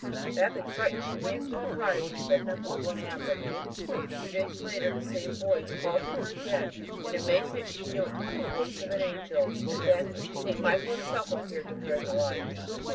Badly frightened, she ran into the cottage and said nothing of what had happened; but a few days later the same voice called out to her again. In amazement she knew it to be the voice of an angel and then Saint Michael himself appeared to her in the light!